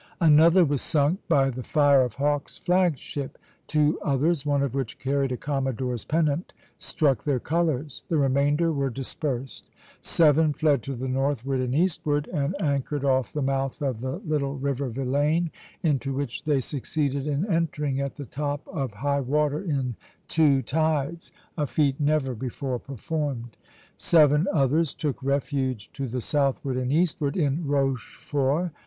Another was sunk by the fire of Hawke's flag ship. Two others, one of which carried a commodore's pennant, struck their colors. The remainder were dispersed. Seven fled to the northward and eastward, and anchored off the mouth of the little river Vilaine, into which they succeeded in entering at the top of high water in two tides, a feat never before performed. Seven others took refuge to the southward and eastward in Rochefort.